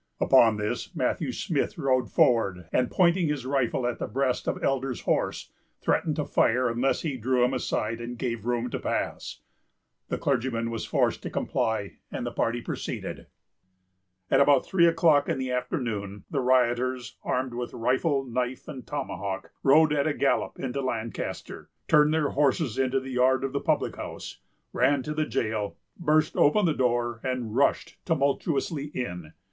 Upon this, Matthew Smith rode forward, and, pointing his rifle at the breast of Elder's horse, threatened to fire unless he drew him aside, and gave room to pass. The clergyman was forced to comply, and the party proceeded. At about three o'clock in the afternoon, the rioters, armed with rifle, knife, and tomahawk, rode at a gallop into Lancaster; turned their horses into the yard of the public house, ran to the jail, burst open the door, and rushed tumultuously in.